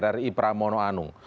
dari ibrahimo noanung